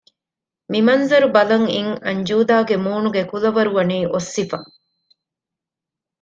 މި މަންޒަރު ބަލަން އިން އަންޖޫދާގެ މޫނުގެ ކުލަވަރު ވަނީ އޮއްސިފަ